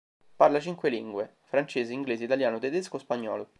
Parla cinque lingue: francese, inglese, italiano, tedesco, spagnolo.